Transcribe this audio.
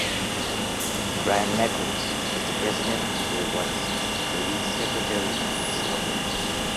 Brian MacInnes is the president, and Bill Weiss is the league's secretary and historian.